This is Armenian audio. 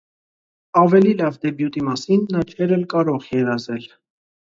Ավելի լավ դեբյուտի մասին նա չէր էլ կարող երազել։